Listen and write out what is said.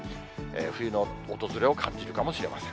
冬の訪れを感じるかもしれません。